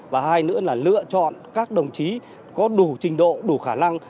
và hai nữa là lựa chọn các đồng chí có đủ trình độ đủ khả năng